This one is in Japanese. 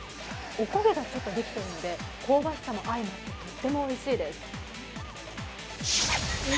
お焦げがちょっとできているので、香ばしさも相まってとってもおいしいです。